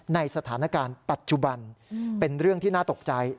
ในสถานการณ์ปัจจุบันเป็นเรื่องที่น่าตกใจ